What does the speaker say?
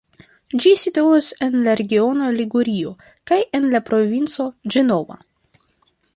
Ĝi situas en la regiono Ligurio kaj en la provinco Ĝenova.